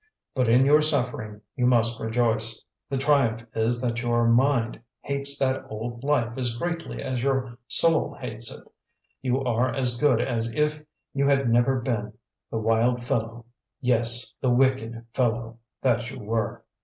But, in your suffering you must rejoice: the triumph is that your mind hates that old life as greatly as your soul hates it. You are as good as if you had never been the wild fellow yes, the wicked fellow that you were.